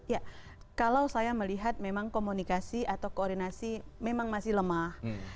ya kalau saya melihat memang komunikasi atau koordinasi memang masih lemah